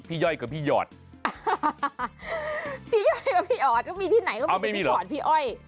พี่ย่อยกับพี่หยอดก็มีที่ไหนก็มีแต่พี่กอดพี่ย่อย